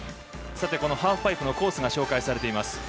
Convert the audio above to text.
さて、このハーフパイプのコースが紹介されています。